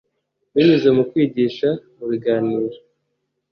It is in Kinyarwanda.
binyuze mu kwigisha mu biganiro